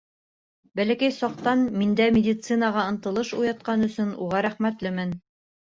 — Бәләкәй саҡтан миндә медицинаға ынтылыш уятҡан өсөн уға рәхмәтлемен.